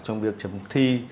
trong việc chấm thi